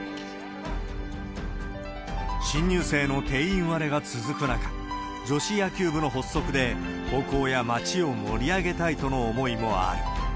新入生の定員割れが続く中、女子野球部の発足で、高校や町を盛り上げたいとの思いもある。